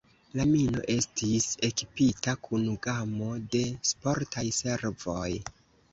La mino estis ekipita kun gamo de sportaj servoj.